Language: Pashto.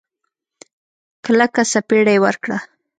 کلکه سپېړه يې ورکړه.